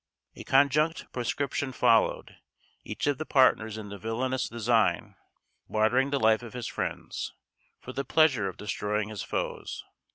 A conjunct proscription followed, each of the partners in the villanous design bartering the life of his friends, for the pleasure of destroying his foes.